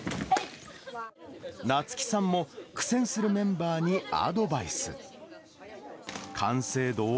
なつきさんも、苦戦するメンバーにアドバイス。